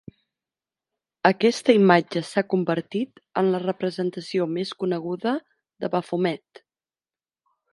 Aquesta imatge s'ha convertit en la representació més coneguda de Bafomet.